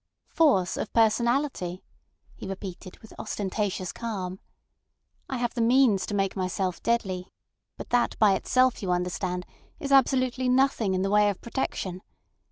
"Force of personality," he repeated, with ostentatious calm. "I have the means to make myself deadly, but that by itself, you understand, is absolutely nothing in the way of protection.